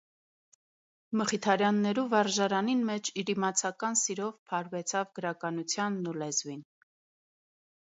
Մխիթարեաններու վարժարանին մէջ իր իմացական սիրով փարուեցաւ գրականութեանն ու լեզուին։